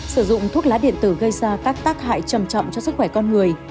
sử dụng thuốc lá điện tử gây ra các tác hại trầm trọng cho sức khỏe con người